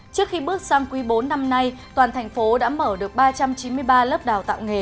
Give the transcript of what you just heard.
trước khi bước sang quý bốn năm nay toàn thành phố đã mở được ba trăm chín mươi ba lớp đào tạo nghề